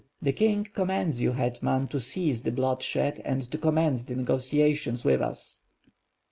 ^^ "The king commands you, hetman, to cease the bloodshed and to commence negotiations with us."